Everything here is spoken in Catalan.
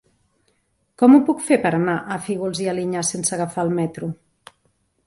Com ho puc fer per anar a Fígols i Alinyà sense agafar el metro?